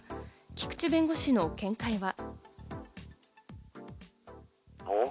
菊地弁護士の見解は。